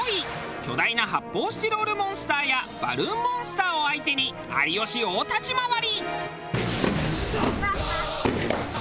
巨大な発泡スチロールモンスターやバルーンモンスターを相手に有吉大立ち回り。